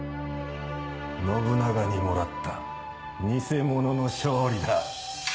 信長にもらった偽物の勝利だ。